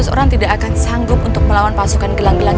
dua belas orang tidak akan sanggup untuk melawan pasukan gelang gelang